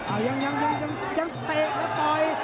อ้าวยังยังยังเตะแล้วต่อย